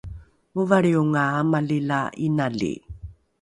movalrionga amali la inali